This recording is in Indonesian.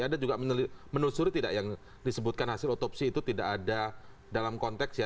anda juga menelusuri tidak yang disebutkan hasil otopsi itu tidak ada dalam konteks ya